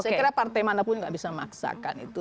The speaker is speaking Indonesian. saya kira partai mana pun nggak bisa memaksakan itu